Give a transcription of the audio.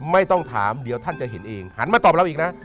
ไม่ต้องถามเดี๋ยวท่านจะเห็นเองหันมาตอบเราอีกนะ